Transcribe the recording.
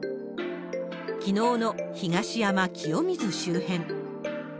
きのうの東山・清水周辺。